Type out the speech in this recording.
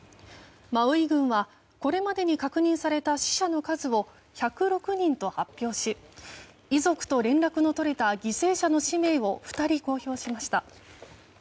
マウイ郡はこれまでに確認された死者の数を１０６人と発表し遺族と連絡の取れた犠牲者の氏名を２人公表しました。